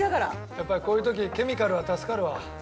やっぱりこういう時ケミカルは助かるわ。